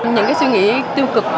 những cái suy nghĩ tiêu cực